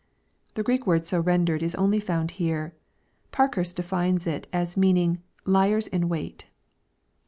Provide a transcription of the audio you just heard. ] The Greek word so rendered is only found here. Parkhurst defines it as meaning " Liers in wait."